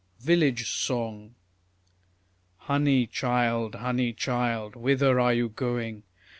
VILLAGE SONG Honey, child, honey, child, whither are you going?